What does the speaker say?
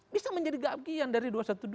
bisa menjadi bagian dari dua ratus dua belas